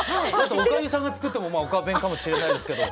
おかゆさんが作ってもまあ「おか弁」かもしれないですけど。